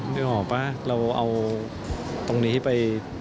เราก็บอกว่าเราเอาตรงนี้ไป